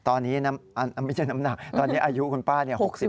ตอนนี้ไม่ใช่น้ำหนักตอนนี้อายุคุณป้า๖๐